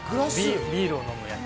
ビールを飲むやつ。